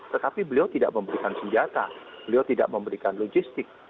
tetapi beliau tidak memberikan senjata beliau tidak memberikan logistik